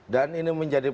dan ini menjadi